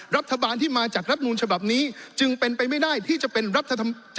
รัฐบาลที่มาจากรัฐมูลฉบับนี้จึงเป็นไปไม่ได้ที่จะเป็นรัฐธรรม